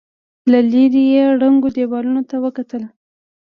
له ليرې يې ړنګو دېوالونو ته وکتل.